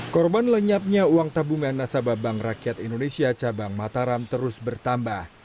korban lenyapnya uang tabungan nasabah bank rakyat indonesia cabang mataram terus bertambah